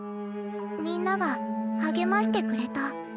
みんなが励ましてくれた。